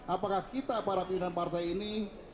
apakah kita para pimpinan partai ini